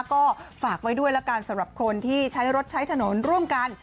ก็ฝากไว้ด้วยละกันสำหรับคนที่ใช้รถใช้ถนนร่วมกัน